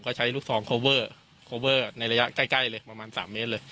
ก็ใช้ลูกทรองในระยะใกล้ใกล้เลยประมาณสามเมตรเลย